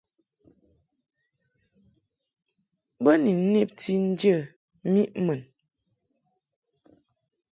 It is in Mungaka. Bo ni nnebti njə miʼ mun.